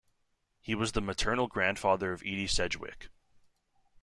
He was the maternal grandfather of Edie Sedgwick.